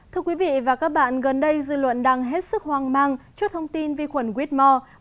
thưa quý vị và các bạn gần đây dư luận đang hết sức hoang mang trước thông tin vi khuẩn whitmore